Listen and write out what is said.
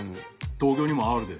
東京にもあるで。